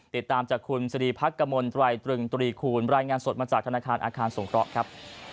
ติดตามจากคุณสรีพักกมลตรายตรึงตรีคูณรายงานสดมาจากธนาคารอาคารสงเคราะห์ครับ